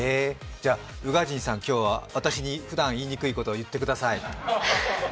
じゃあ、宇賀神さん、今日は私にふだん言いにくいことを言ってください。